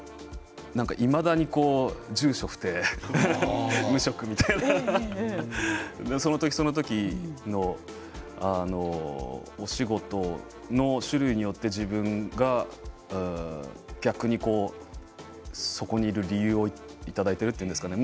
いまだに住所不定、無職みたいな感じでその時その時のお仕事の種類によって自分が、逆にそこにいる理由をいただいているというんですかね。